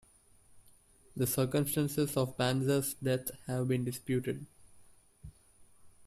The circumstances of Banza's death have been disputed.